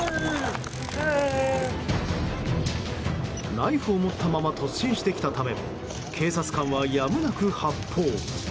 ナイフを持ったまま突進してきたため警察官は、やむなく発砲。